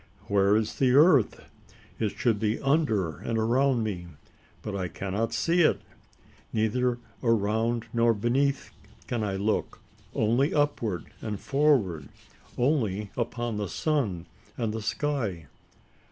Where is the earth? It should be under and around me, but I cannot see it. Neither around nor beneath can I look only upward and forward only upon the sun and the sky!